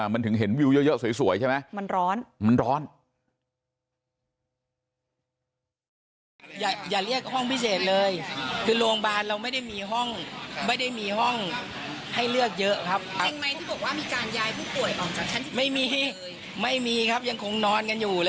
มันถึงเห็นวิวเยอะสวยใช่ไหมมันร้อน